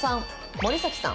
森咲さん